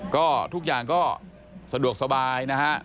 ก็ทุกอย่างก็สะดวกสบายนะฮะ